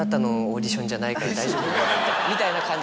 大丈夫みたいな感じで。